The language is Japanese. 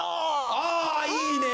あぁいいね！